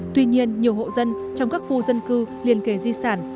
tuy nhiên nhiều hộ dân trong các khu dân cư liên kề di sản